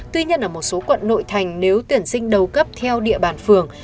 tuy nhiên ở một số quận nội thành nếu tuyển sinh đầu cấp theo địa bàn phường